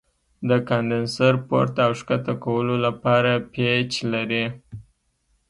د کاندنسر پورته او ښکته کولو لپاره پیچ لري.